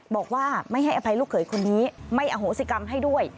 บอกว่าไม่ให้อภัยลูกเขยคนนี้ไม่อโหสิกรรมให้ด้วย